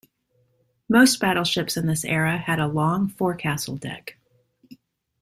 Most battleships in this era had a long forecastle deck.